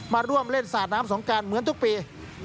มาร่วมเล่นสาดน้ำสงการเหมือนทุกปี